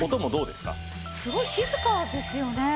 すごい静かですよね。